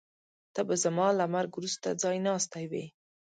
ته به زما له مرګ وروسته ځایناستی وې.